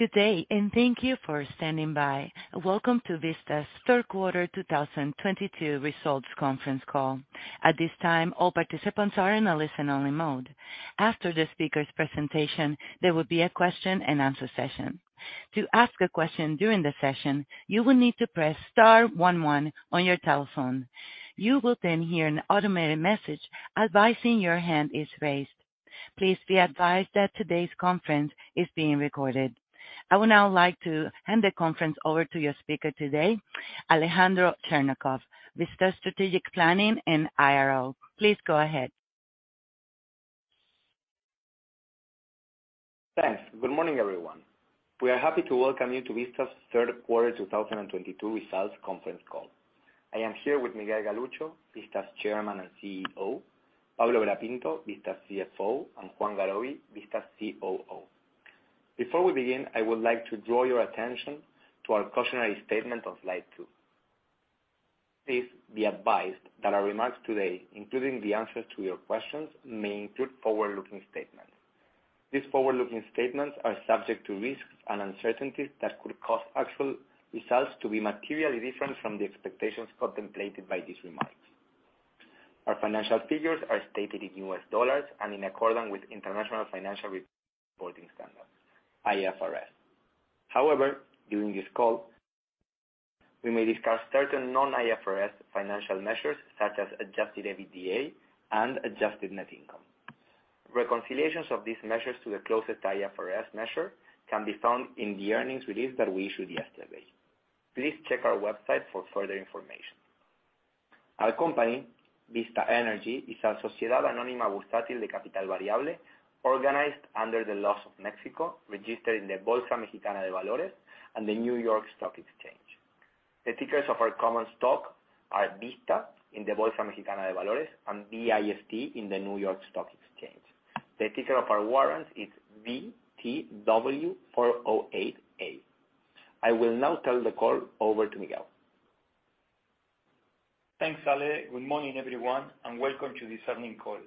Good day, thank you for standing by. Welcome to Vista's third quarter 2022 results conference call. At this time, all participants are in a listen only mode. After the speaker's presentation, there will be a question-and-answer session. To ask a question during the session, you will need to press star one one on your telephone. You will then hear an automated message advising your hand is raised. Please be advised that today's conference is being recorded. I would now like to hand the conference over to your speaker today, Alejandro Cherñacov, Strategic Planning and IRO, Vista Energy. Please go ahead. Thanks. Good morning, everyone. We are happy to welcome you to Vista's third quarter 2022 results conference call. I am here with Miguel Galuccio, Vista's Chairman and CEO, Pablo Vera Pinto, Vista's CFO, and Juan Garoby, Vista's COO. Before we begin, I would like to draw your attention to our cautionary statement on slide two. Please be advised that our remarks today, including the answers to your questions, may include forward-looking statements. These forward-looking statements are subject to risks and uncertainties that could cause actual results to be materially different from the expectations contemplated by these remarks. Our financial figures are stated in U.S. dollars and in accordance with International Financial Reporting Standards, IFRS. However, during this call, we may discuss certain non-IFRS financial measures such as Adjusted EBITDA and Adjusted Net Income. Reconciliations of these measures to the closest IFRS measure can be found in the earnings release that we issued yesterday. Please check our website for further information. Our company, Vista Energy, is a Sociedad Anónima de Capital Variable organized under the laws of Mexico, registered in the Bolsa Mexicana de Valores and the New York Stock Exchange. The tickers of our common stock are VISTA in the Bolsa Mexicana de Valores and VIST in the New York Stock Exchange. The ticker of our warrants is VTW408A. I will now turn the call over to Miguel. Thanks, Ale. Good morning, everyone, and welcome to this earnings call.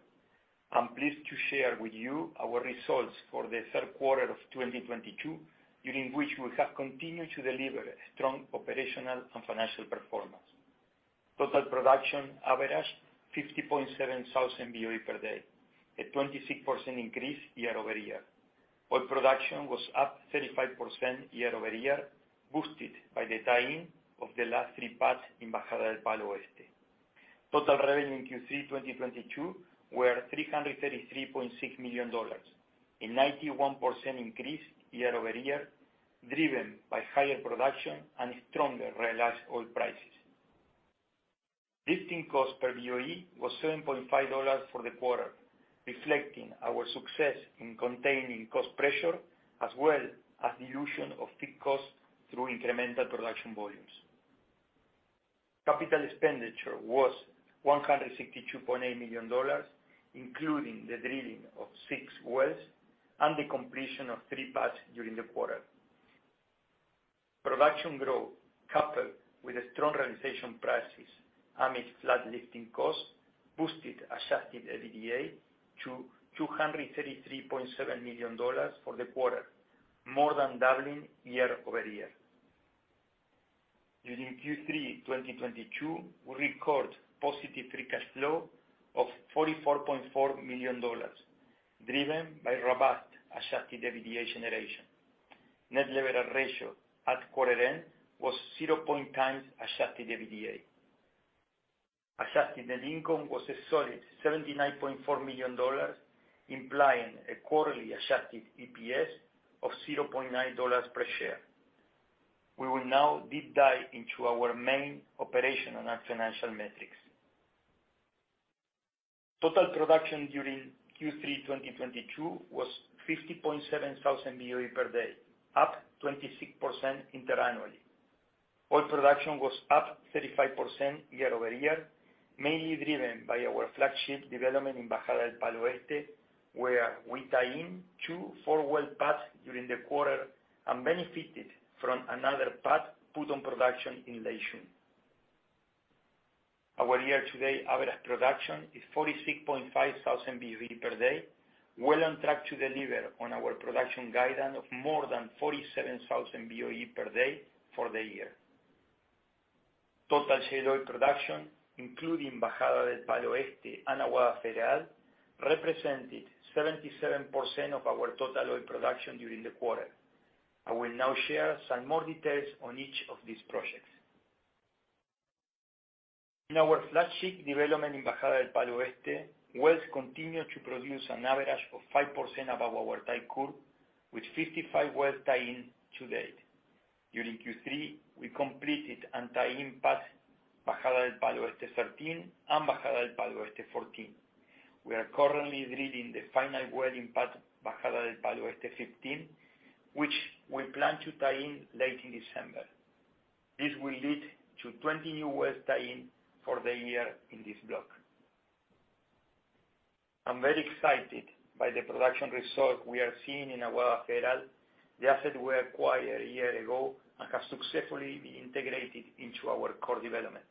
I'm pleased to share with you our results for the third quarter of 2022, during which we have continued to deliver strong operational and financial performance. Total production averaged 50,700 boe/d, a 26% increase year-over-year. Oil production was up 35% year-over-year, boosted by the tie-in of the last three pads in Bajada del Palo Oeste. Total revenue in Q3 2022 were $333.6 million, a 91% increase year-over-year, driven by higher production and stronger realized oil prices. Lifting cost per boe was $7.5 for the quarter, reflecting our success in containing cost pressure as well as dilution of fixed costs through incremental production volumes. CapEx was $162.8 million, including the drilling of six wells and the completion of three pads during the quarter. Production growth coupled with strong realized prices amidst flat lifting costs boosted Adjusted EBITDA to $233.7 million for the quarter, more than doubling year-over-year. During Q3 2022, we record positive free cash flow of $44.4 million, driven by robust Adjusted EBITDA generation. Net leverage ratio at quarter end was 0.0x Adjusted EBITDA. Adjusted Net Income was a solid $79.4 million, implying a quarterly adjusted EPS of $0.9 per share. We will now deep dive into our main operational and financial metrics. Total production during Q3 2022 was 50,700 boe/d, up 26% year-over-year. Oil production was up 35% year-over-year, mainly driven by our flagship development in Bajada del Palo Oeste, where we tie in two four-well pads during the quarter and benefited from another pad put on production in Aguada Federal. Our year-to-date average production is 46,500 boe/d, well on track to deliver on our production guidance of more than 47,000 boe/d for the year. Total shale oil production, including Bajada del Palo Oeste and Aguada Federal, represented 77% of our total oil production during the quarter. I will now share some more details on each of these projects. In our flagship development in Bajada del Palo Oeste, wells continue to produce an average of 5% above our type curve, with 55 wells tie-in to date. During Q3, we completed and tied in pads Bajada del Palo Oeste 13 and Bajada del Palo Oeste 14. We are currently drilling the final well in pad Bajada del Palo Oeste 15, which we plan to tie in late in December. This will lead to 20 new wells tied in for the year in this block. I'm very excited by the production results we are seeing in Aguada Federal. The asset we acquired a year ago and have successfully been integrated into our core development.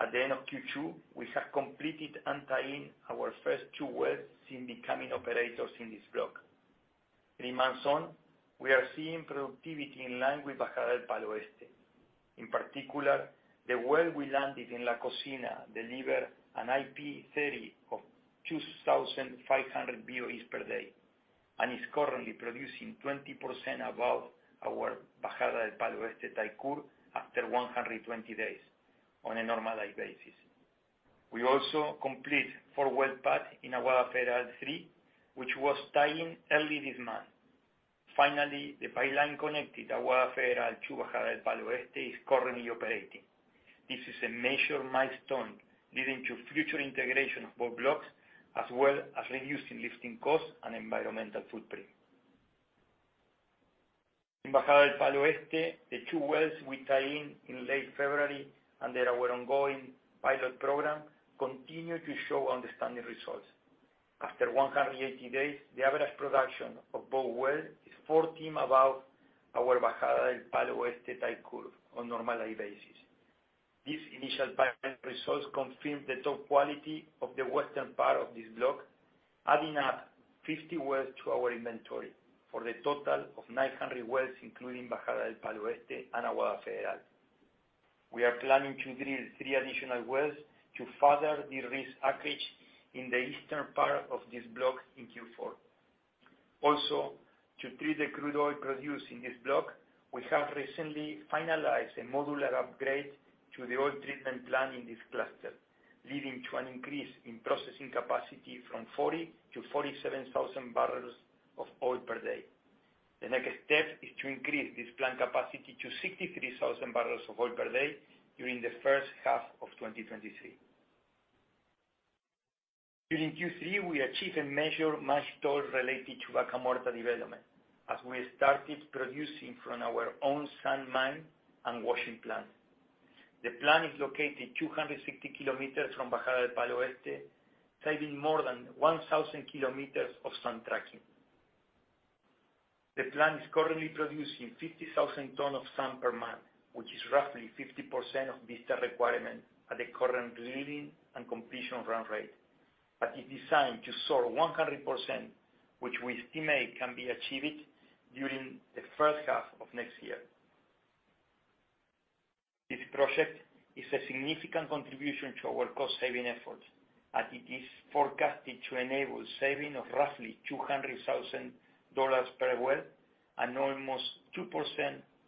At the end of Q2, we have completed and tied in our first two wells since becoming operators in this block. Three months on, we are seeing productivity in line with Bajada del Palo Oeste. In particular, the well we landed in La Cocina delivered an IP-30 of 2,500 boe/d, and is currently producing 20% above our Bajada del Palo Oeste type curve after 120 days on a normalized basis. We also completed a four-well pad in Aguada Federal 3, which was tied in early this month. Finally, the pipeline connected Aguada Federal to Bajada del Palo Oeste is currently operating. This is a major milestone leading to future integration of both blocks, as well as reducing lifting costs and environmental footprint. In Bajada del Palo Oeste, the two wells we tied in in late February under our ongoing pilot program continue to show outstanding results. After 180 days, the average production of both wells is 14% above our Bajada del Palo Oeste type curve on a normalized basis. These initial pilot results confirm the top quality of the western part of this block, adding up 50 wells to our inventory for the total of 900 wells, including Bajada del Palo Oeste and Aguada Federal. We are planning to drill three additional wells to further de-risk acre in the eastern part of this block in Q4. Also, to treat the crude oil produced in this block, we have recently finalized a modular upgrade to the oil treatment plant in this cluster, leading to an increase in processing capacity from 40,000 bbl/d-47,000 bbl/d. The next step is to increase this plant capacity to 63,000 bbl/d during the first half of 2023. During Q3, we achieved a major milestone related to Vaca Muerta development, as we started producing from our own sand mine and washing plant. The plant is located 260 km from Bajada del Palo Oeste, saving more than 1,000 km of sand trucking. The plant is currently producing 50,000 tons of sand per month, which is roughly 50% of Vista's requirement at the current drilling and completion run rate. It is sized to soar 100%, which we estimate can be achieved during the first half of next year. This project is a significant contribution to our cost saving efforts, as it is forecasted to enable saving of roughly $200,000 per well, and almost 2%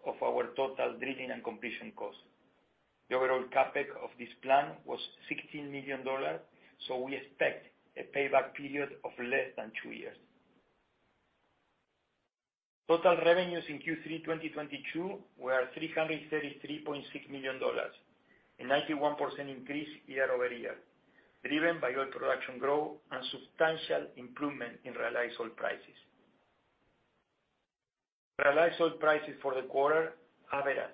of our total drilling and completion cost. The overall CapEx of this plant was $16 million, so we expect a payback period of less than two years. Total revenues in Q3 2022 were $333.6 million, a 91% increase year-over-year, driven by oil production growth and substantial improvement in realized oil prices. Realized oil prices for the quarter averaged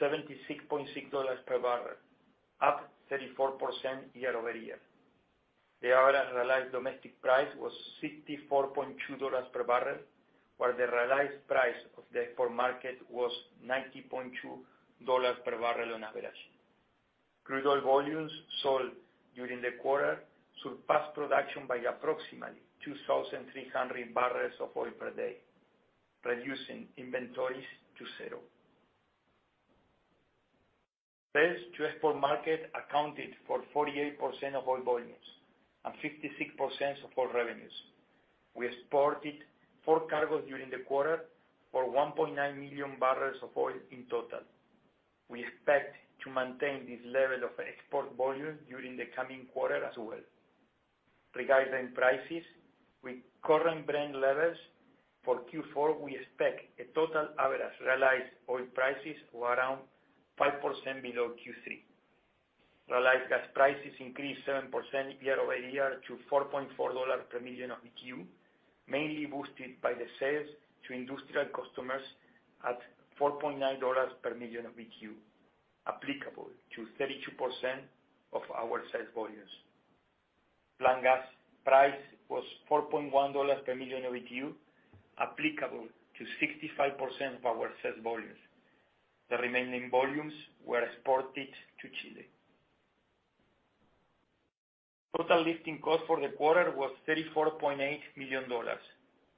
$76.6/bbl, up 34% year-over-year. The average realized domestic price was $64.2/bbl, while the realized price of the export market was $90.2/bbl on average. Crude oil volumes sold during the quarter surpassed production by approximately 2,300 bbl/d, reducing inventories to zero. Sales to export market accounted for 48% of oil volumes and 56% of oil revenues. We exported four cargoes during the quarter for 1.9 MMbbl of oil in total. We expect to maintain this level of export volume during the coming quarter as well. Regarding prices, with current Brent levels for Q4, we expect a total average realized oil prices of around 5% below Q3. Realized gas prices increased 7% year-over-year to $4.4/MMBtu, mainly boosted by the sales to industrial customers at $4.9/MMBtu, applicable to 32% of our sales volumes. Plan Gas price was $4.1/MMBtu, applicable to 65% of our sales volumes. The remaining volumes were exported to Chile. Total lifting cost for the quarter was $34.8 million.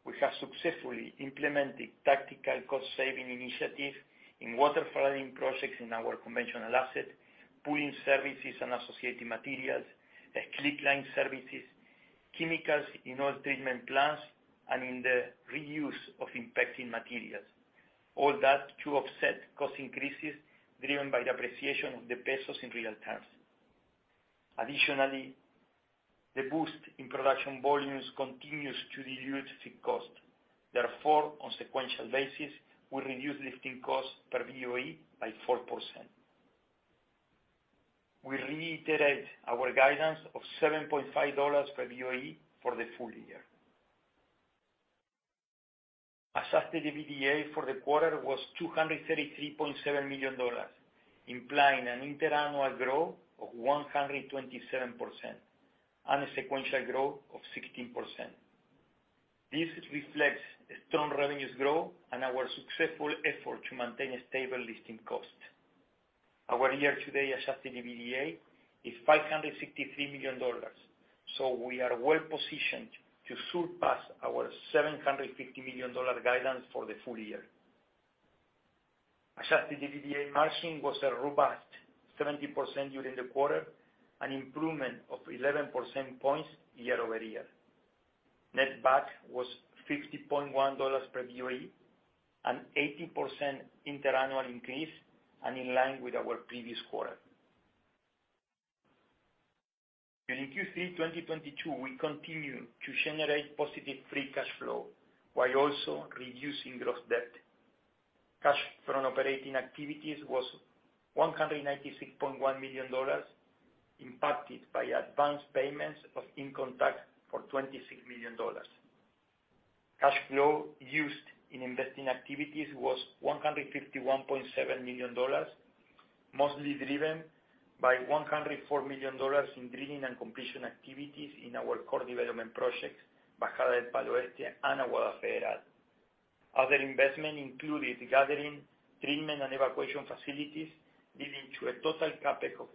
We have successfully implemented tactical cost saving initiatives in waterflooding projects in our conventional asset, pooling services and associated materials, slickline services, chemicals in oil treatment plants, and in the reuse of impacting materials. All that to offset cost increases driven by the appreciation of the pesos in real terms. Additionally, the boost in production volumes continues to dilute fixed cost. Therefore, on sequential basis, we reduce lifting costs per boe by 4%. We reiterate our guidance of $7.5/boe for the full year. Adjusted EBITDA for the quarter was $233.7 million, implying an interannual growth of 127% and a sequential growth of 16%. This reflects a strong revenues growth and our successful effort to maintain a stable lifting cost. Our year-to-date Adjusted EBITDA is $563 million, so we are well positioned to surpass our $750 million guidance for the full year. Adjusted EBITDA margin was a robust 70% during the quarter, an improvement of 11 percentage points year-over-year. Netback was $50.1/ boe, an 80% interannual increase and in line with our previous quarter. During Q3 2022, we continued to generate positive free cash flow while also reducing gross debt. Cash from operating activities was $196.1 million, impacted by advanced payments of income tax for $26 million. Cash flow used in investing activities was $151.7 million, mostly driven by $104 million in drilling and completion activities in our core development projects, Bajada del Palo Oeste and Aguada Federal. Other investment included gathering, treatment, and evacuation facilities, leading to a total CapEx of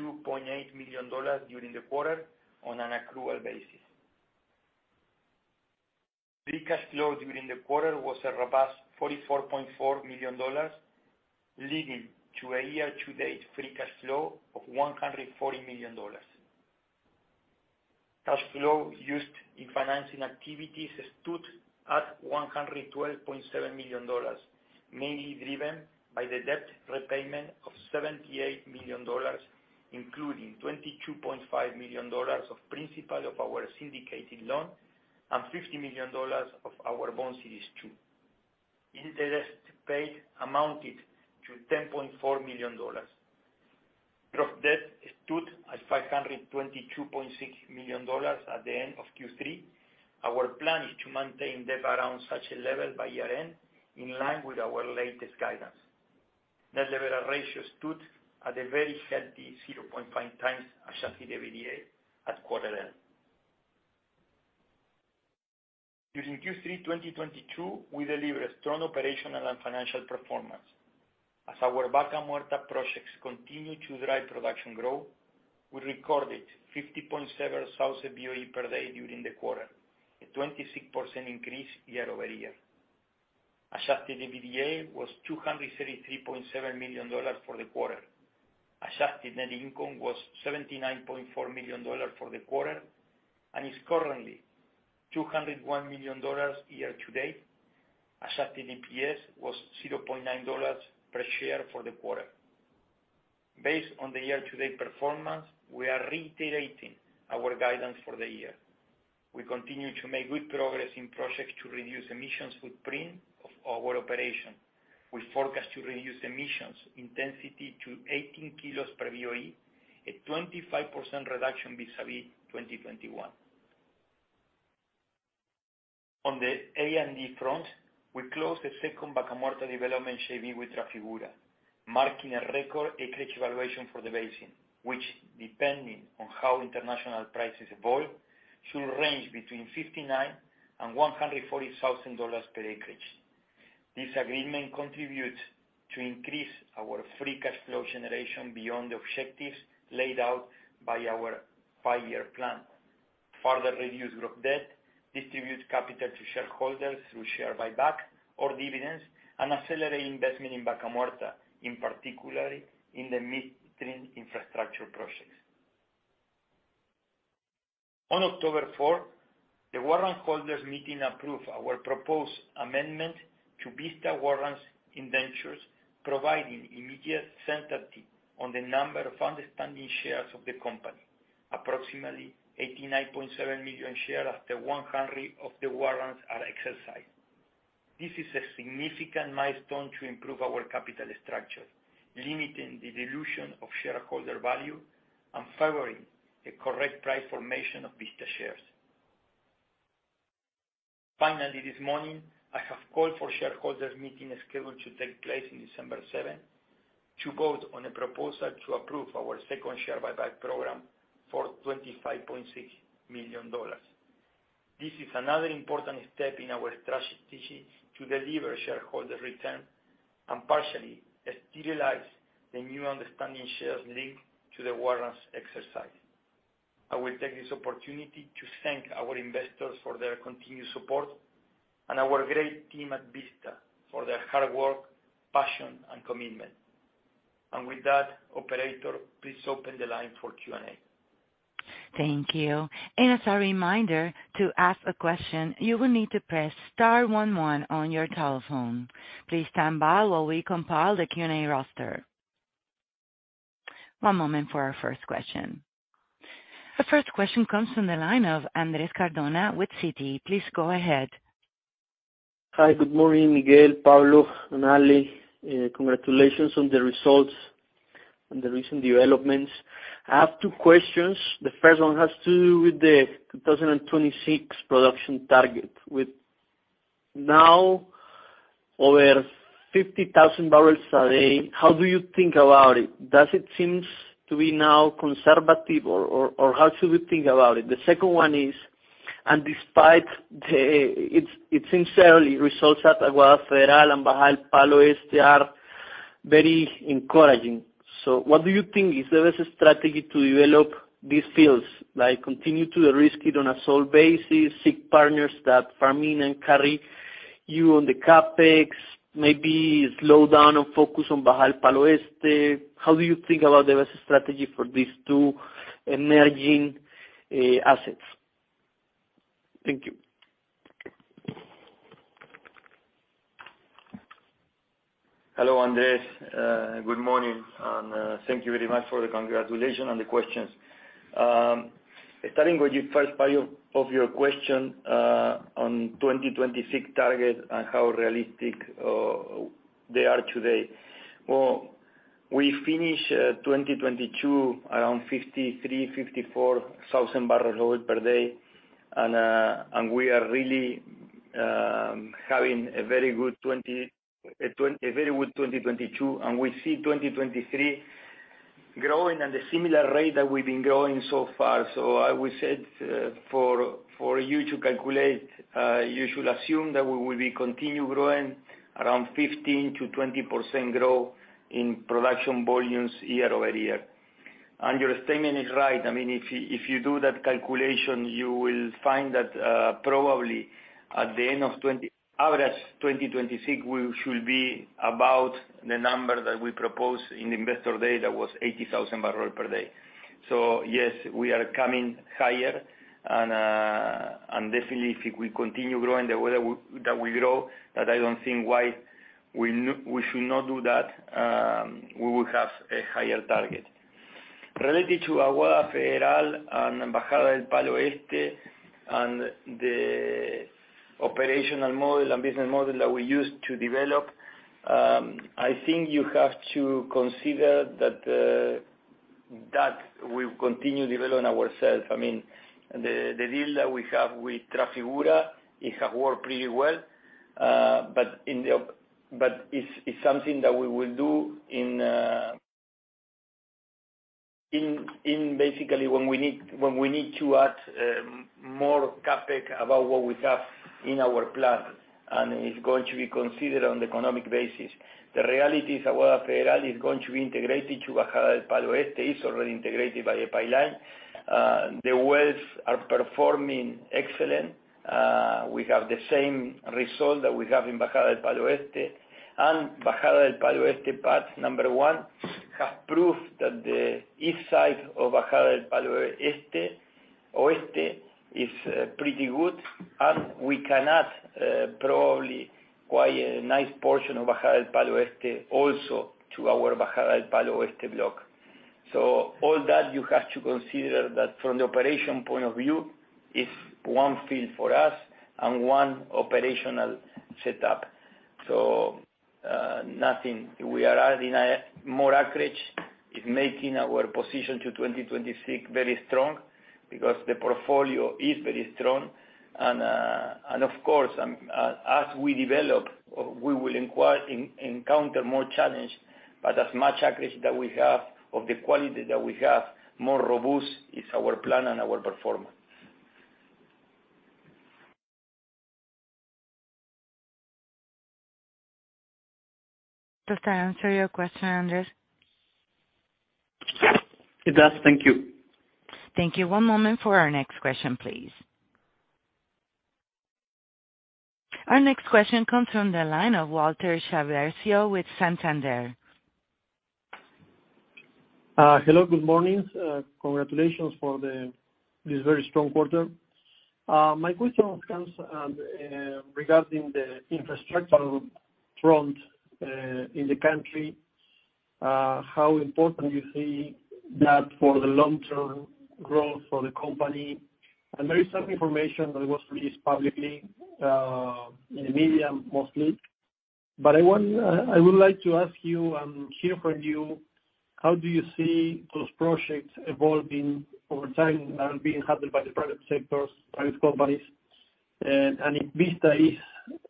$162.8 million during the quarter on an accrual basis. Free cash flow during the quarter was a robust $44.4 million, leading to a year-to-date free cash flow of $140 million. Cash flow used in financing activities stood at $112.7 million, mainly driven by the debt repayment of $78 million, including $22.5 million of principal of our syndicated loan and $50 million of our bond series two. Interest paid amounted to $10.4 million. Gross debt stood at $522.6 million at the end of Q3. Our plan is to maintain debt around such a level by year-end, in line with our latest guidance. Net leverage ratio stood at a very healthy 0.5x Adjusted EBITDA at quarter end. During Q3 2022, we delivered a strong operational and financial performance. Our Vaca Muerta projects continued to drive production growth. We recorded 50,700 boe/d during the quarter, a 26% increase year-over-year. Adjusted EBITDA was $233.7 million for the quarter. Adjusted Net Income was $79.4 million for the quarter, and is currently $201 million year-to-date. Adjusted EPS was $0.9 per share for the quarter. Based on the year-to-date performance, we are reiterating our guidance for the year. We continue to make good progress in projects to reduce emissions footprint of our operation. We forecast to reduce emissions intensity to 18 kg CO2e/boe, a 25% reduction vis-à-vis 2021. On the A&D front, we closed the second Vaca Muerta development shaping with Trafigura, marking a record acre valuation for the basin, which, depending on how international prices evolve, should range between $59,000-$140,000 per acre. This agreement contributes to increase our free cash flow generation beyond the objectives laid out by our five-year plan, further reduce gross debt, distribute capital to shareholders through share buyback or dividends, and accelerate investment in Vaca Muerta, in particular in the midstream infrastructure projects. On October 4, 2022 the warrant holders meeting approved our proposed amendment to Vista Warrants Indentures, providing immediate certainty on the number of outstanding shares of the company, approximately 89.7 million shares after 100 of the warrants are exercised. This is a significant milestone to improve our capital structure, limiting the dilution of shareholder value and favoring the correct price formation of Vista shares. Finally, this morning, I have called for shareholders meeting scheduled to take place in December 7, 2022 to vote on a proposal to approve our second share buyback program for $25.6 million. This is another important step in our strategy to deliver shareholder return and partially sterilize the new outstanding shares linked to the warrants exercise. I will take this opportunity to thank our investors for their continued support and our great team at Vista for their hard work, passion and commitment. With that, operator, please open the line for Q&A. Thank you. As a reminder, to ask a question, you will need to press star one one on your telephone. Please stand by while we compile the Q&A roster. One moment for our first question. The first question comes from the line of Andrés Cardona with Citi. Please go ahead. Hi. Good morning, Miguel, Pablo, and Ale. Congratulations on the results and the recent developments. I have two questions. The first one has to do with the 2026 production target. With now over 50,000 bbl/d, how do you think about it? Does it seem to be now conservative or how should we think about it? Despite the early results at Aguada Federal and Bajada del Palo Oeste being very encouraging, what do you think is the best strategy to develop these fields? Like continue to risk it on a solo basis, seek partners that farm in and carry you on the CapEx, maybe slow down and focus on Bajada del Palo Oeste. How do you think about the best strategy for these two emerging assets? Thank you. Hello, Andrés. Good morning, and thank you very much for the congratulations and the questions. Starting with the first part of your question on 2026 target and how realistic they are today. Well, we finish 2022 around 53,000 bbl/d-54,000 bbl/d. We are really having a very good 2022, and we see 2023 growing at a similar rate that we've been growing so far. I would say, for you to calculate, you should assume that we will continue growing around 15%-20% growth in production volumes year-over-year. Your statement is right. I mean, if you do that calculation, you will find that, probably at the end of average 2026, we should be about the number that we proposed in Investor Day. That was 80,000 bbl/d. Yes, we are coming higher and definitely if we continue growing the way that we grow, that I don't think why we should not do that, we will have a higher target. Related to Aguada Federal and Bajada del Palo Oeste and the operational model and business model that we use to develop, I think you have to consider that we've continued developing ourselves. I mean, the deal that we have with Trafigura, it has worked pretty well. It's something that we will do in basically when we need to add more CapEx above what we have in our plan, and it's going to be considered on the economic basis. The reality is Aguada Federal is going to be integrated to Bajada del Palo Oeste. It's already integrated by a pipeline. The wells are performing excellent. We have the same result that we have in Bajada del Palo Oeste. Bajada del Palo Oeste, part number one, have proved that the east side of Bajada del Palo Oeste, Oeste is pretty good, and we can add probably quite a nice portion of Bajada del Palo Oeste also to our Bajada del Palo Oeste block. All that you have to consider that from the operation point of view, it's one field for us and one operational setup. Nothing. We are adding more acre. It's making our position to 2026 very strong because the portfolio is very strong. Of course, as we develop, we will encounter more challenge, but as much acre that we have, of the quality that we have, more robust is our plan and our performance. Does that answer your question, Andrés? It does. Thank you. Thank you. One moment for our next question, please. Our next question comes from the line of Walter Chiarvesio with Santander. Hello, good morning. Congratulations for this very strong quarter. My question comes regarding the infrastructural front in the country. How important you see that for the long-term growth for the company? There is some information that was released publicly in the media mostly. I want, I would like to ask you and hear from you, how do you see those projects evolving over time and being handled by the private sectors, private companies? If Vista is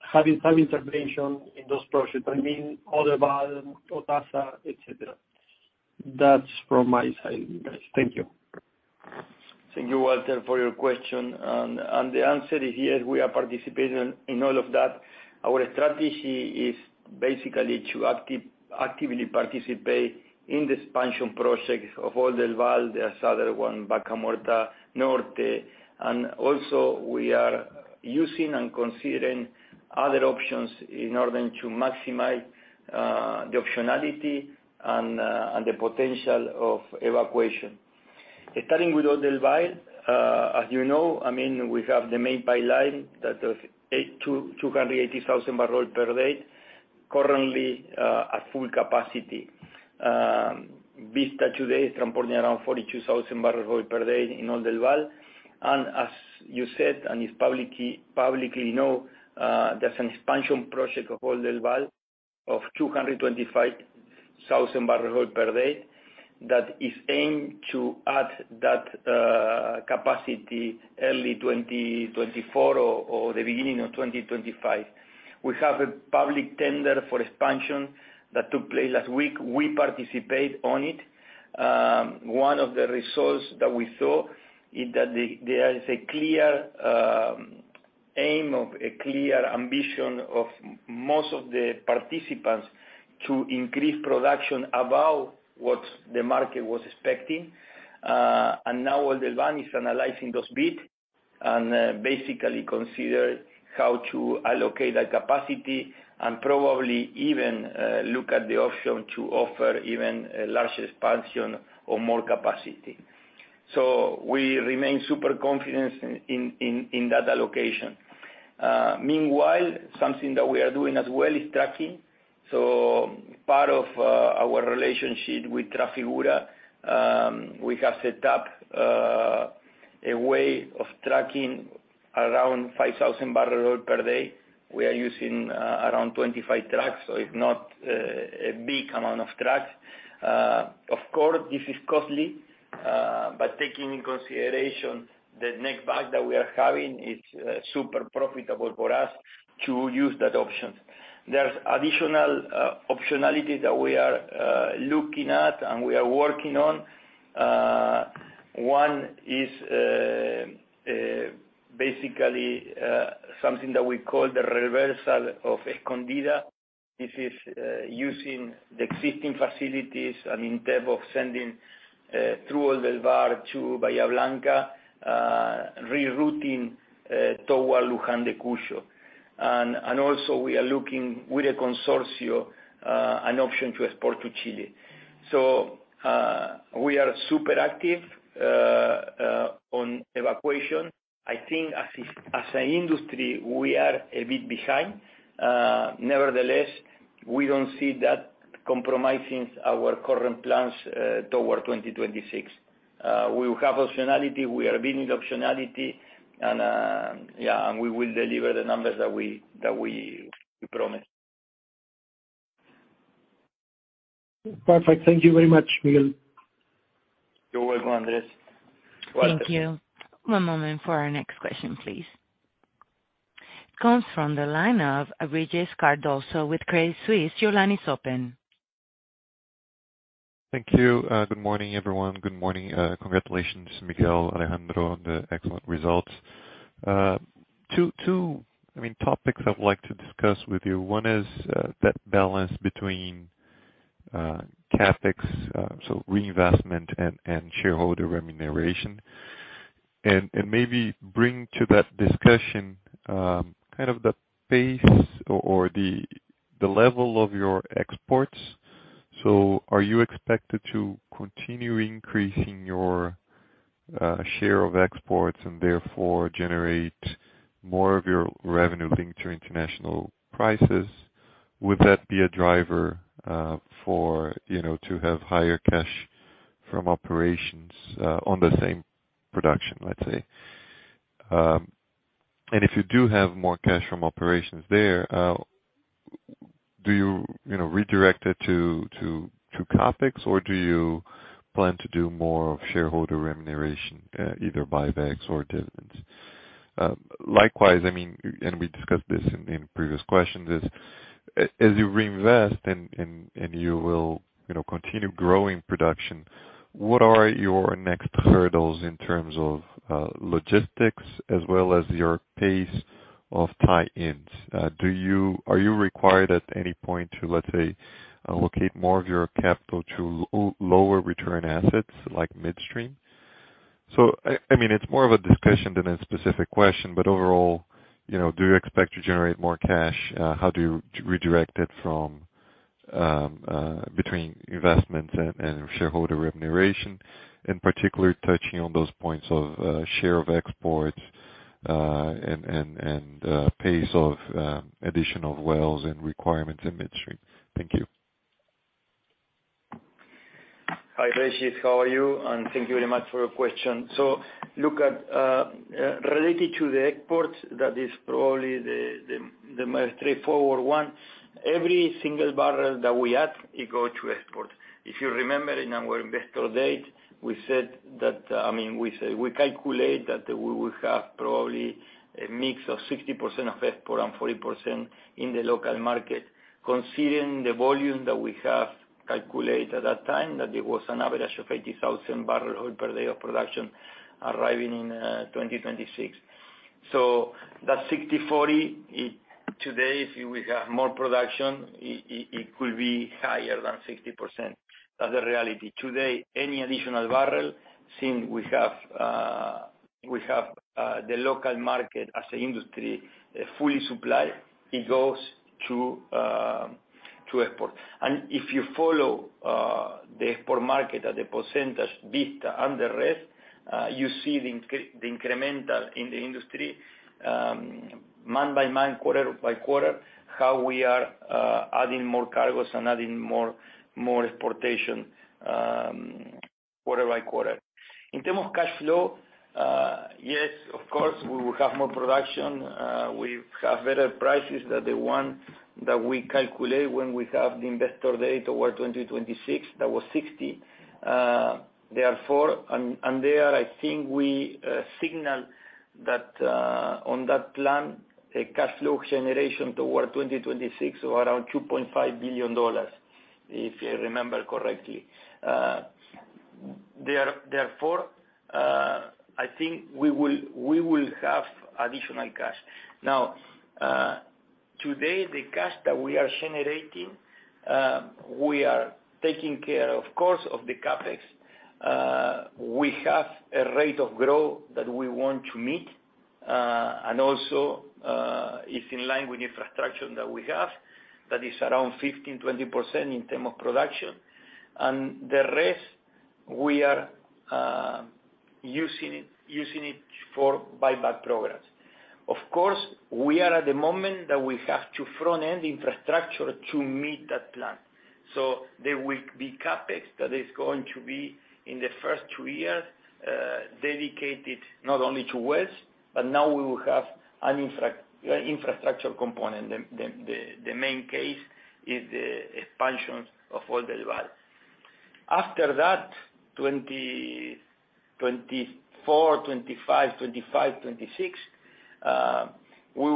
having some intervention in those projects, I mean, Oldelval, OTASA, et cetera. That's from my side, guys. Thank you. Thank you, Walter, for your question. The answer is, yes, we are participating in all of that. Our strategy is basically to actively participate in the expansion projects of Oldelval, the other one, Vaca Muerta Norte. Also we are using and considering other options in order to maximize the optionality and the potential of evacuation. Starting with Oldelval, as you know, I mean, we have the main pipeline that is 80,000 bbl/d-280,000 bbl/d, currently, at full capacity. Vista today is transporting around 42,000 bbl/d in Oldelval. As you said, and it's publicly known, there's an expansion project of Oldelval of 225,000 bbl/d that is aimed to add that capacity early 2024 or the beginning of 2025. We have a public tender for expansion that took place last week. We participated in it. One of the results that we saw is that there is a clear aim of a clear ambition of most of the participants to increase production above what the market was expecting. And now all the analysts analyzing those bids and basically consider how to allocate that capacity and probably even look at the option to offer even a larger expansion or more capacity. We remain super confident in that allocation. Meanwhile, something that we are doing as well is tracking. Part of our relationship with Trafigura, we have set up a way of tracking around 5,000 bbl/d. We are using around 25 trucks, so it's not a big amount of trucks. Of course, this is costly, but taking into consideration the netback that we are having, it's super profitable for us to use that option. There are additional optionalities that we are looking at and we are working on. One is basically something that we call the reversal of Escondida. This is using the existing facilities and in terms of sending through Oldelval to Bahía Blanca, rerouting toward Luján de Cuyo. Also we are looking with a consortium an option to export to Chile. We are super active on exploration. I think as an industry, we are a bit behind. Nevertheless, we don't see that compromising our current plans toward 2026. We will have optionality. We are building optionality and yeah, and we will deliver the numbers that we promised. Perfect. Thank you very much, Miguel. You're welcome, Andrés. Thank you. One moment for our next question, please. Comes from the line of Regis Cardoso with Credit Suisse. Your line is open. Thank you. Good morning, everyone. Good morning. Congratulations, Miguel, Alejandro, on the excellent results. Two topics I would like to discuss with you. One is that balance between CapEx so reinvestment and shareholder remuneration. Maybe bring to that discussion kind of the pace or the level of your exports. Are you expected to continue increasing your share of exports and therefore generate more of your revenue linked to international prices? Would that be a driver for you know to have higher cash from operations on the same production, let's say? If you do have more cash from operations there, do you you know redirect it to CapEx, or do you plan to do more of shareholder remuneration either buybacks or dividends? Likewise, I mean, we discussed this in previous questions, as you reinvest and you will, you know, continue growing production, what are your next hurdles in terms of logistics as well as your pace of tie-ins? Are you required at any point to, let's say, allocate more of your capital to lower return assets like midstream? I mean, it's more of a discussion than a specific question. Overall, you know, do you expect to generate more cash? How do you redirect it from between investments and shareholder remuneration, and particularly touching on those points of share of exports and pace of additional wells and requirements in midstream? Thank you. Hi, Regis, how are you? Thank you very much for your question. Look at related to the exports, that is probably the most straightforward one. Every single barrel that we add, it go to export. If you remember in our Investor Day, we said that, I mean, we say we calculate that we will have probably a mix of 60% of export and 40% in the local market, considering the volume that we have calculated at that time, that it was an average of 80,000 bbl/d of production arriving in 2026. That 60%-40%, it today, if we have more production, it will be higher than 60%. That's the reality. Today, any additional barrel, since we have the local market as an industry fully supplied, it goes to export. If you follow the export market at the percentage VIST and the rest, you see the incremental in the industry month by month, quarter by quarter, how we are adding more cargos and adding more exportation quarter by quarter. In terms of cash flow, yes, of course, we will have more production. We have better prices than the one that we calculate when we have the investor day toward 2026, that was 60%. Therefore, and there, I think we signal that on that plan, a cash flow generation toward 2026 or around $2.5 billion, if I remember correctly. Therefore, I think we will have additional cash. Now, today, the cash that we are generating, we are taking care, of course, of the CapEx. We have a rate of growth that we want to meet, and also is in line with infrastructure that we have, that is around 15%-20% in terms of production. The rest we are using it for buyback programs. Of course, we are at the moment that we have to front-end infrastructure to meet that plan. There will be CapEx that is going to be in the first two years, dedicated not only to wells, but now we will have an infrastructure component. The main case is the expansion of all the well. After that, 2024, 2025, 2026, we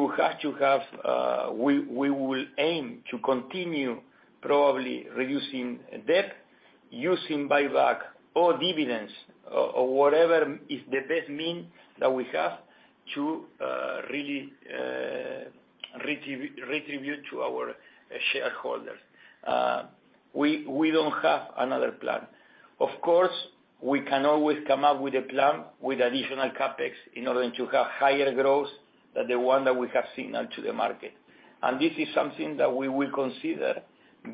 will aim to continue probably reducing debt using buyback or dividends or whatever is the best means that we have to really redistribute to our shareholders. We don't have another plan. Of course, we can always come up with a plan with additional CapEx in order to have higher growth than the one that we have signaled to the market. This is something that we will consider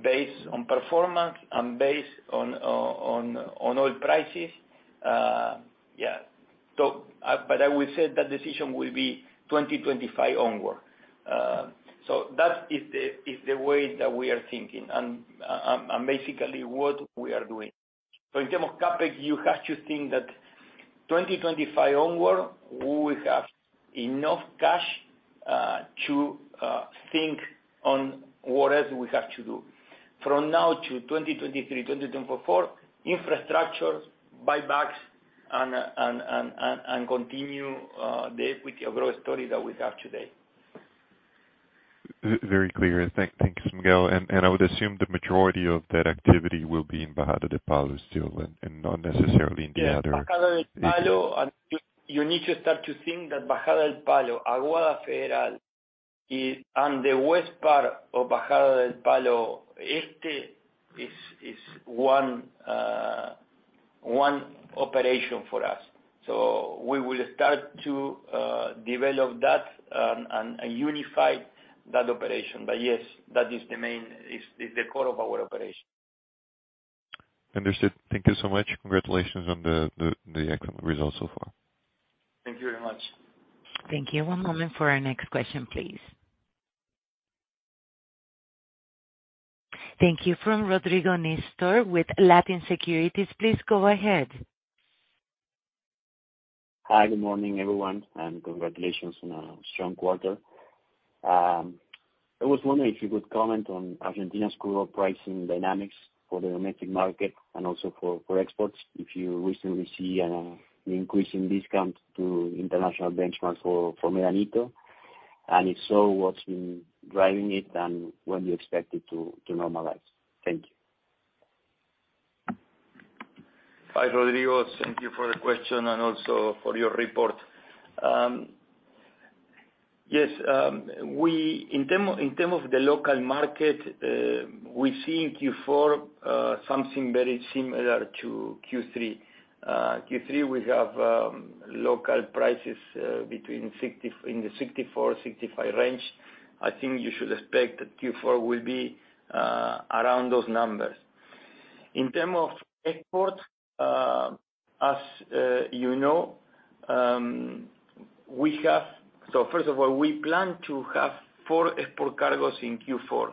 based on performance and based on oil prices. But I will say that decision will be 2025 onward. That is the way that we are thinking and basically what we are doing. In terms of CapEx, you have to think that 2025 onward, we will have enough cash to think on what else we have to do. From now to 2023, 2024, infrastructure, buybacks and continue the equity growth story that we have today. Very clear. Thanks, Miguel. I would assume the majority of that activity will be in Bajada del Palo still and not necessarily in the other. Yeah, Bajada del Palo. You need to start to think that Bajada del Palo, Aguada Federal. The west part of Bajada del Palo is one operation for us. We will start to develop that and unify that operation. Yes, that is the main core of our operation. Understood. Thank you so much. Congratulations on the excellent results so far. Thank you very much. Thank you. One moment for our next question, please. Thank you. From Rodrigo Nistor with Latin Securities, please go ahead. Hi, good morning, everyone, and congratulations on a strong quarter. I was wondering if you could comment on Argentina's crude oil pricing dynamics for the domestic market and also for exports. If you recently see an increase in discounts to international benchmarks for Medanito. If so, what's been driving it and when you expect it to normalize. Thank you. Hi, Rodrigo. Thank you for the question and also for your report. Yes, in terms of the local market, we see in Q4 something very similar to Q3. Q3, we have local prices in the $64-$65 range. I think you should expect that Q4 will be around those numbers. In terms of export, as you know, we plan to have four export cargoes in Q4.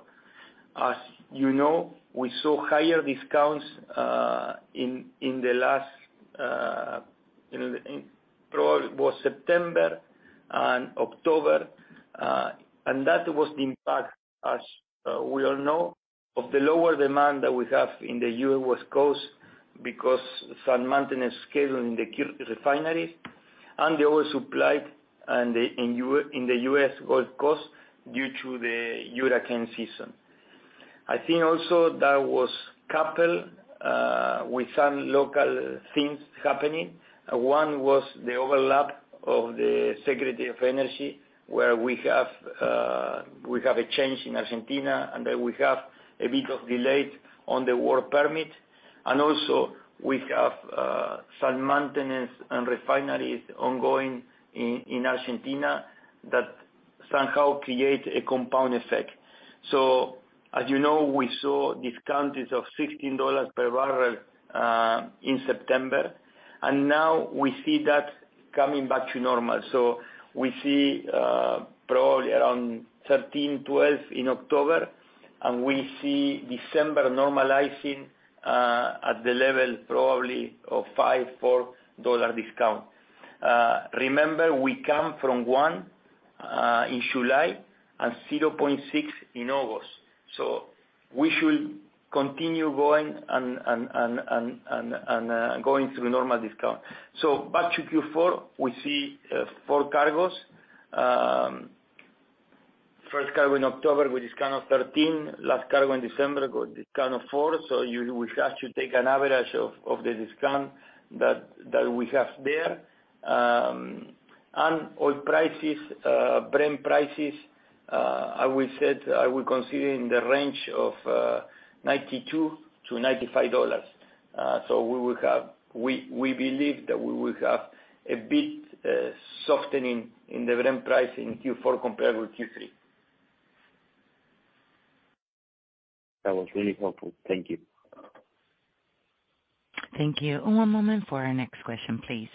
As you know, we saw higher discounts in the last, probably September and October. That was the impact, as we all know, of the lower demand that we have in the U.S. West Coast because some maintenance schedule in the Gulf Coast and the oversupply and the in the U.S. Gulf Coast due to the hurricane season. I think also that was coupled with some local things happening. One was the overlap of the Secretary of Energy, where we have a change in Argentina, and then we have a bit of delay on the work permit. Also we have some maintenance in refineries ongoing in Argentina that somehow create a compound effect. As you know, we saw discounts of $16/bbl in September. Now we see that coming back to normal. We see probably around 13-12 in October, and we see December normalizing at the level probably of $5-$4 discount. Remember we come from $1 in July and $0.6 in August. We should continue going through normal discount. Back to Q4, we see four cargos. First cargo in October with discount of $13, last cargo in December got discount of $4. We have to take an average of the discount that we have there. And oil prices, Brent prices, I will consider in the range of $92-$95. We believe that we will have a bit softening in the Brent price in Q4 compared with Q3. That was really helpful. Thank you. Thank you. One moment for our next question, please.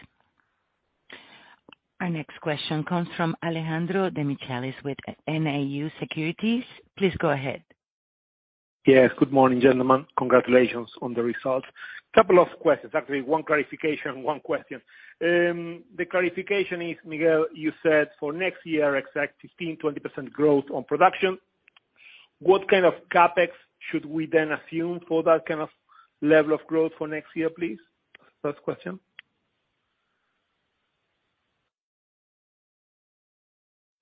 Our next question comes from Alejandro Demichelis with NAU Securities. Please go ahead. Yes. Good morning, gentlemen. Congratulations on the results. Couple of questions. Actually, one clarification, one question. The clarification is, Miguel, you said for next year, expect 15%-20% growth on production. What kind of CapEx should we then assume for that kind of level of growth for next year, please? First question.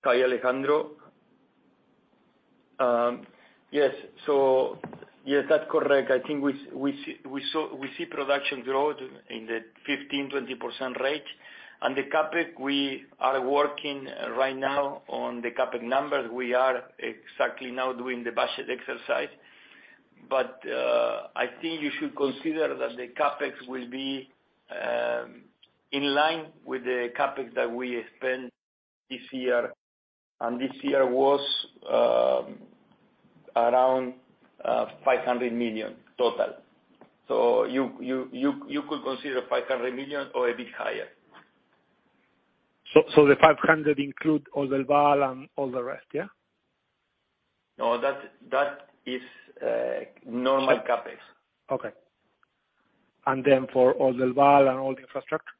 Hi, Alejandro. Yes, that's correct. I think we see production growth in the 15%-20% rate. The CapEx, we are working right now on the CapEx numbers. We are exactly now doing the budget exercise. I think you should consider that the CapEx will be in line with the CapEx that we spent this year. This year was around $500 million total. You could consider $500 million or a bit higher. The 500 include all Oldelval and all the rest, yeah? No, that is normal CapEx. Okay. For Oldelval and all the infrastructure?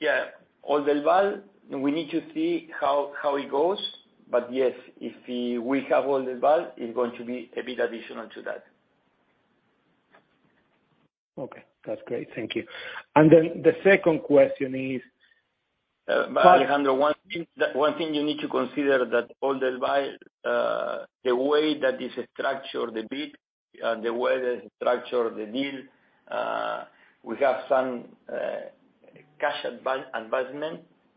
Yeah. Oldelval, we need to see how it goes. Yes, if we have Oldelval, it's going to be a bit additional to that. Okay. That's great. Thank you. The second question is. Alejandro, one thing you need to consider that Oldelval, the way that is structured the deal, we have some cash advance,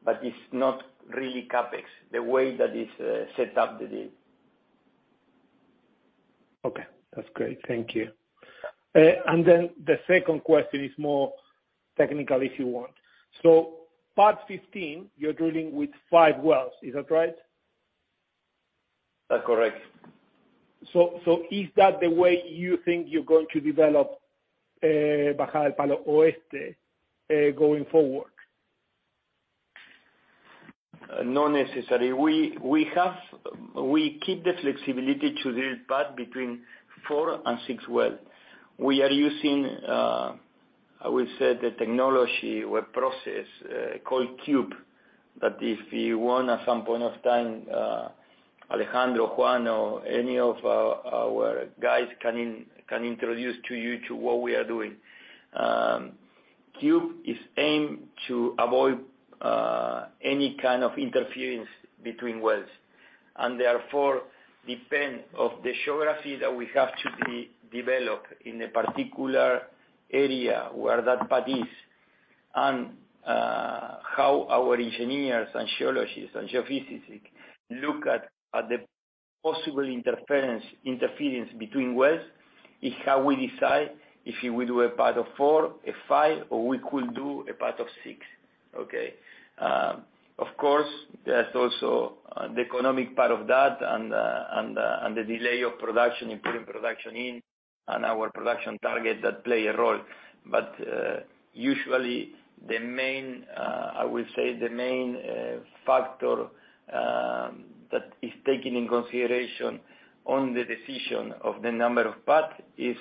but it's not really CapEx, the way that is set up the deal. Okay. That's great. Thank you. The second question is more technical if you want. Pad 15, you're drilling with five wells. Is that right? That's correct. Is that the way you think you're going to develop Bajada del Palo Oeste going forward? Not necessary. We have we keep the flexibility to drill pad between four and six wells. We are using. I will say the technology or process called Cube. That if you want at some point of time, Alejandro, Juan, or any of our guys can introduce you to what we are doing. Cube is aimed to avoid any kind of interference between wells. Therefore, depends on the geology that we have to be developed in a particular area where that pad is and how our engineers and geologists and geophysicists look at the possible interference between wells is how we decide if we do a pad of four, five, or we could do a pad of six. Okay. Of course, there's also the economic part of that and the delay of production, including production and our production target that play a role. Usually the main factor that is taken into consideration on the decision of the number of pad is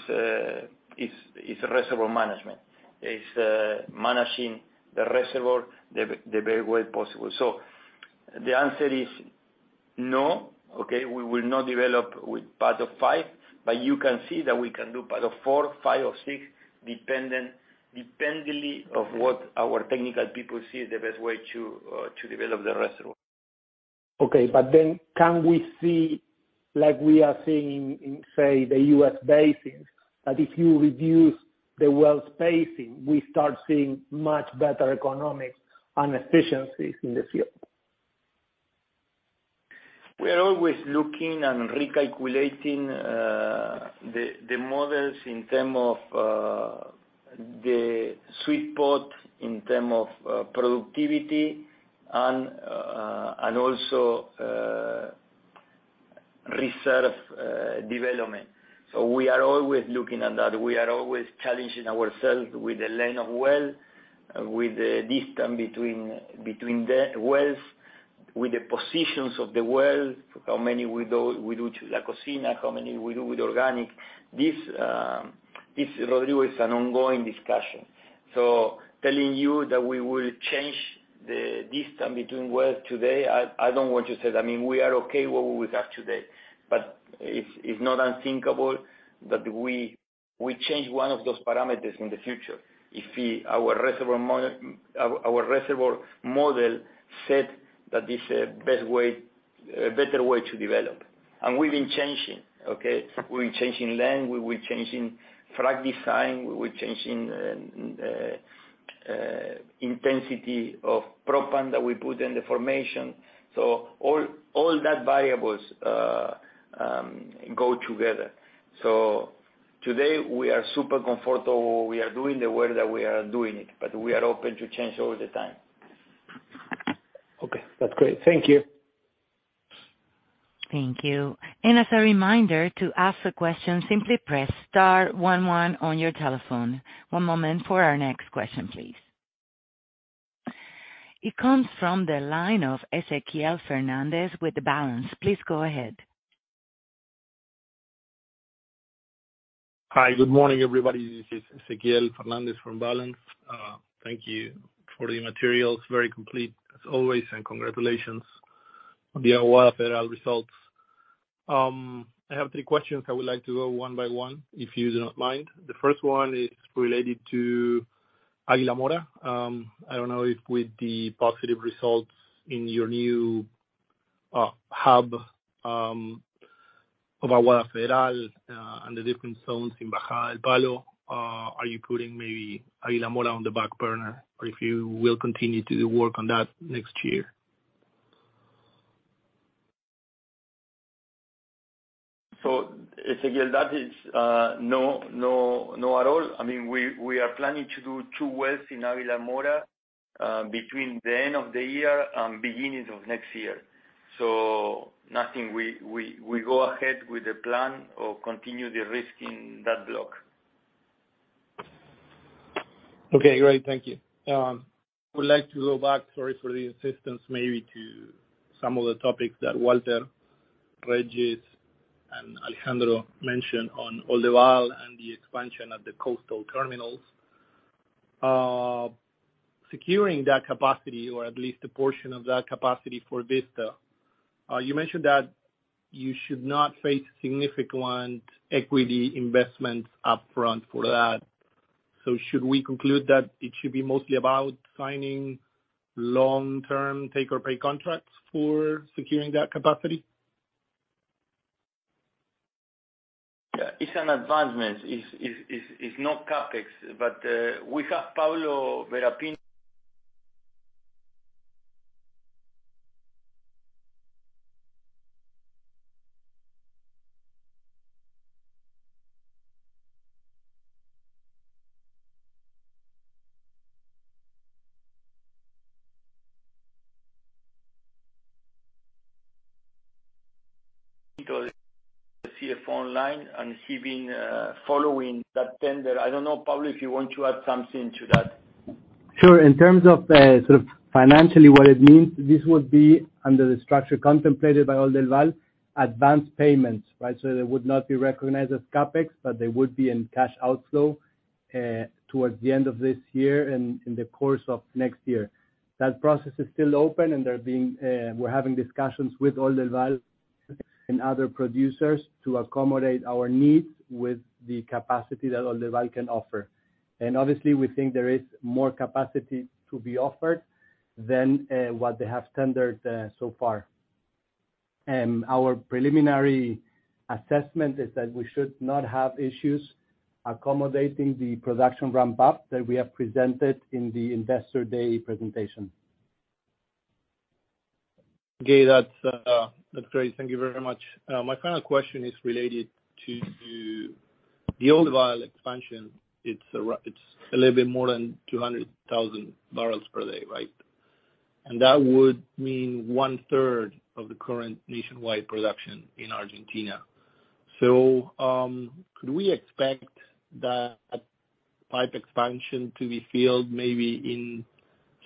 reservoir management. Managing the reservoir the best way possible. The answer is no. Okay. We will not develop with pad of five. You can see that we can do pad of four, five or six depending on what our technical people see the best way to develop the reservoir. Okay. Can we see, like we are seeing in, say, the U.S. basins, that if you reduce the well spacing, we start seeing much better economics and efficiencies in the field? We are always looking and recalculating the models in terms of the sweet spot, in terms of productivity and also reserve development. We are always looking at that. We are always challenging ourselves with the length of well, with the distance between the wells, with the positions of the well, how many we do to La Cocina, how many we do with Orgánico. This, Rodrigo, is an ongoing discussion. Telling you that we will change the distance between wells today, I don't want to say that. I mean, we are okay where we are today, but it's not unthinkable that we change one of those parameters in the future if our reservoir model said that it's a better way to develop. We've been changing. We're changing length, we're changing frac design, we're changing intensity of proppant that we put in the formation. All that variables go together. Today, we are super comfortable we are doing the work that we are doing it, but we are open to change all the time. Okay, that's great. Thank you. Thank you. As a reminder, to ask a question, simply press star one one on your telephone. One moment for our next question, please. It comes from the line of Ezequiel Fernandez with Balanz. Please go ahead. Hi. Good morning, everybody. This is Ezequiel Fernandez from Balanz. Thank you for the materials. Very complete as always, and congratulations on the Aguada Federal results. I have three questions. I would like to go one by one, if you do not mind. The first one is related to Aguila Mora. I don't know if with the positive results in your new hub of Aguada Federal, and the different zones in Bajada del Palo, are you putting maybe Aguila Mora on the back burner, or if you will continue to do work on that next year? Ezequiel, that is no at all. I mean, we are planning to do two wells in Aguila Mora between the end of the year and beginning of next year. Nothing, we go ahead with the plan or continue the rig in that block. Okay, great. Thank you. I would like to go back, sorry for the insistence, maybe to some of the topics that Walter, Regis, and Alejandro mentioned on Oldelval and the expansion of the coastal terminals. Securing that capacity or at least a portion of that capacity for Vista. You mentioned that you should not face significant equity investments up front for that. Should we conclude that it should be mostly about signing long-term take-or-pay contracts for securing that capacity? Yeah. It's an advancement. It's not CapEx. We have Pablo Vera Pinto, the CFO, online, and he's been following that tender. I don't know, Pablo, if you want to add something to that. Sure. In terms of sort of financially what it means, this would be under the structure contemplated by Oldelval advanced payments, right? They would not be recognized as CapEx, but they would be in cash outflow towards the end of this year and in the course of next year. That process is still open, and we're having discussions with Oldelval and other producers to accommodate our needs with the capacity that Oldelval can offer. Obviously, we think there is more capacity to be offered than what they have tendered so far. Our preliminary assessment is that we should not have issues accommodating the production ramp up that we have presented in the investor day presentation. Okay. That's great. Thank you very much. My final question is related to the Oldelval expansion. It's a little bit more than 200,000 bbl/d, right? And that would mean 1/3 of the current nationwide production in Argentina. Could we expect that pipe expansion to be filled maybe in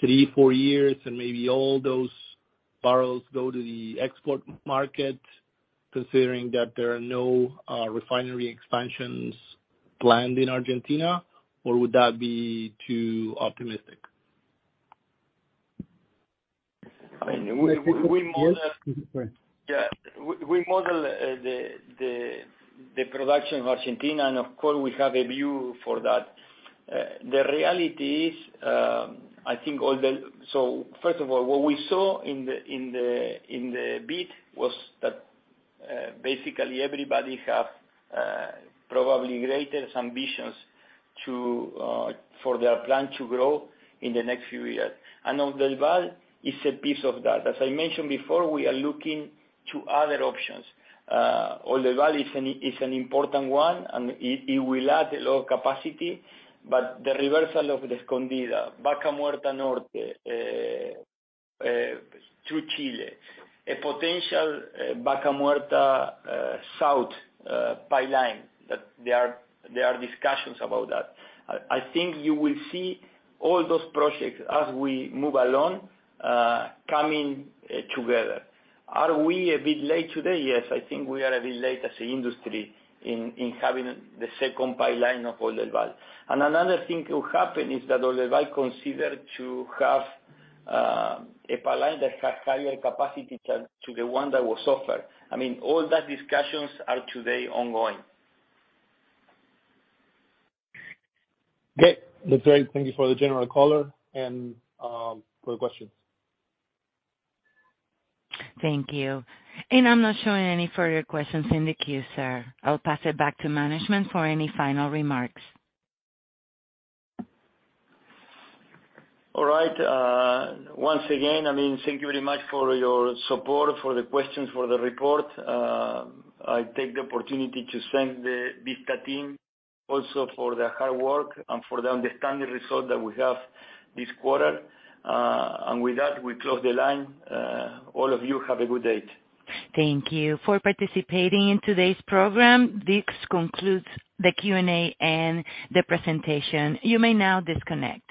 three, four years, and maybe all those barrels go to the export market considering that there are no refinery expansions planned in Argentina? Would that be too optimistic? I mean, we Yes. Go ahead. Yeah. We model the production of Argentina, and of course, we have a view for that. The reality is, I think. First of all, what we saw in the bid was that basically everybody have probably greater ambitions for their plan to grow in the next few years. Oldelval is a piece of that. As I mentioned before, we are looking to other options. Oldelval is an important one, and it will add a lot of capacity. The reversal of Escondida, Vaca Muerta Norte through Chile, a potential Vaca Muerta South pipeline that there are discussions about that. I think you will see all those projects as we move along coming together. Are we a bit late today? Yes, I think we are a bit late as an industry in having the second pipeline of Oldelval. Another thing to happen is that Oldelval consider to have a pipeline that has higher capacity to the one that was offered. I mean, all that discussions are today ongoing. Okay. That's great. Thank you for the general color and for the questions. Thank you. I'm not showing any further questions in the queue, sir. I'll pass it back to management for any final remarks. All right. Once again, I mean, thank you very much for your support, for the questions, for the report. I take the opportunity to thank the Vista team also for their hard work and for the outstanding result that we have this quarter. With that, we close the line. All of you have a good day. Thank you for participating in today's program. This concludes the Q&A and the presentation. You may now disconnect.